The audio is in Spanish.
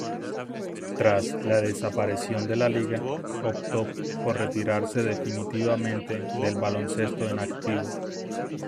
Tras la desaparición de la liga, optó por retirarse definitivamente del baloncesto en activo.